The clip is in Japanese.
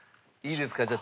いいですか？